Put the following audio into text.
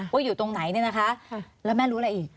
อยู่ตรงไหนเนี่ยนะคะแล้วแม่รู้อะไรอีก